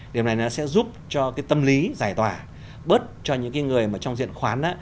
điều này nó sẽ giúp cho cái tâm lý giải tỏa bớt cho những cái người mà trong diện khoán